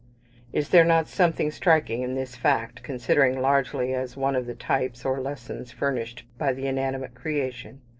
Is there not something striking in this fact, considered largely as one of the types, or lessons, furnished by the inanimate creation?